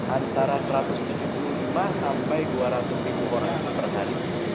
antara satu ratus tujuh puluh lima sampai dua ratus ribu orang per hari